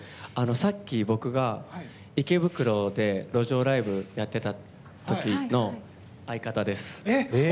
さっき、僕が池袋で路上ライブやっていた時の相方です。